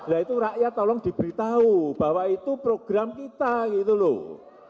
lah itu rakyat tolong diberitahu bahwa itu program kita gitu loh